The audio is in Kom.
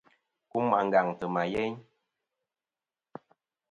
Kum àngaŋtɨ ma yeyn.